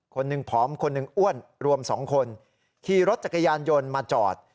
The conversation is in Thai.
คนหนึ่งผอมคนหนึ่งอ้วนรวมสองคนขี่รถจักรยานยนต์มาจอด